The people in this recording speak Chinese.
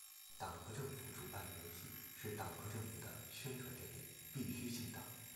党和政府主办的媒体是党和政府的宣传阵地，必须姓党。